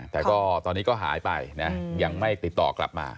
แต่ก็ตอนนี้ก็หายไปนะยังไม่ติดต่อกลับมา